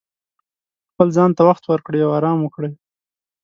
خپل ځان ته وخت ورکړئ او ارام وکړئ.